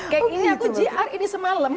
kayak gini aku gr ini semalam